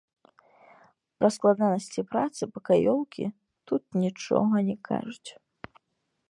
Пра складанасці працы пакаёўкі тут нічога не кажуць.